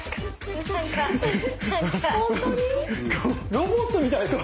ロボットみたい！